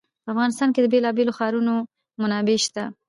په افغانستان کې د بېلابېلو ښارونو منابع شته.